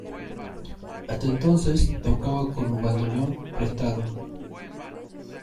Hasta entonces tocaba con un bandoneón prestado.